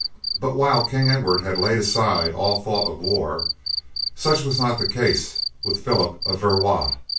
But while King Edward had laid aside all thought of war, such was not the case with Phillip of Valois.